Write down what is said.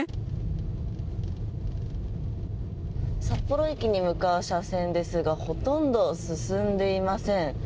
札幌駅に向かう車線ですがほとんど進んでいません。